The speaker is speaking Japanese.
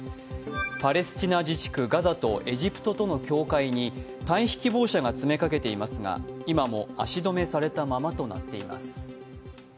パレスチナ自治区ガザとエジプトとの境界に、退避希望者が詰めかけていますが今も足止めされたままとなっています。